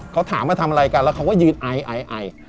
เขาถามว่าทำอะไรกันแล้วเขาก็ยืนไอไอ